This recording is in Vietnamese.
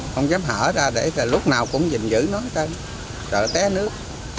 không dám hở ra để lúc nào cũng dình giữ nó trời té nước